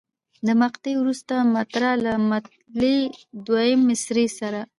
د مقطع وروستۍ مصرع له مطلع دویمې مصرع سره.